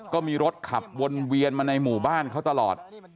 ก็มีรถขับวนเวียนมาในหมู่บ้านเขาตลอด